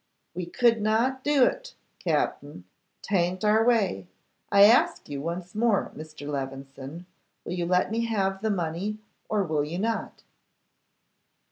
'We could not do it, Captin. 'Tayn't our way.' 'I ask you once more, Mr. Levison, will you let me have the money, or will you not?